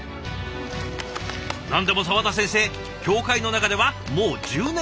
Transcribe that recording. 何でも沢田先生協会の中ではもう１０年